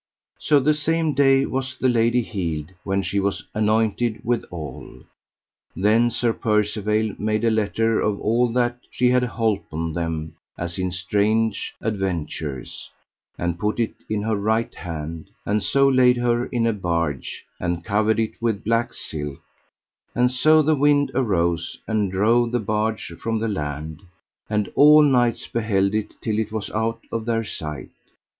So the same day was the lady healed, when she was anointed withal. Then Sir Percivale made a letter of all that she had holpen them as in strange adventures, and put it in her right hand, and so laid her in a barge, and covered it with black silk; and so the wind arose, and drove the barge from the land, and all knights beheld it till it was out of their sight.